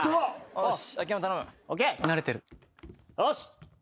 よし！